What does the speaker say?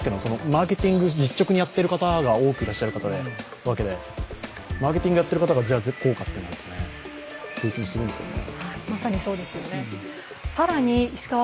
マーケティング実直にやっている方がいらっしゃるわけでマーケティングをやっている方がこうかというのもね。という気もするんですけどね。